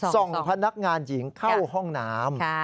ส่งพนักงานหญิงเข้าห้องน้ำ